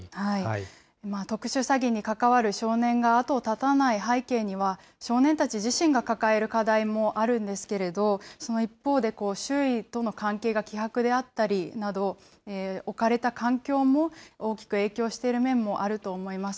特殊詐欺に関わる少年が後を絶たない背景には、少年たち自身が抱える課題もあるんですけれど、その一方で、周囲との関係が希薄であったりなど、置かれた環境も大きく影響している面もあると思います。